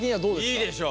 いいでしょ。